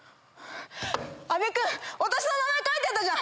阿部君私の名前書いてたじゃん！